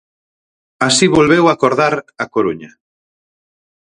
Así volveu acordar A Coruña.